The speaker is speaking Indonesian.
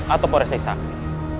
atau anarasi sakti